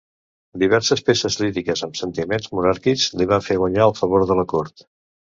Diverses peces líriques amb sentiments monàrquics li van fer guanyar el favor de la cort.